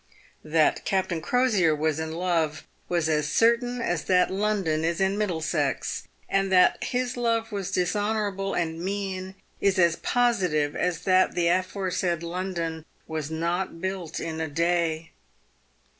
That Captain Crosier was in love, was as certain as that London is in Middlesex, and that his love was dishonourable and mean is as po sitive as that the aforesaid London was not built in a day.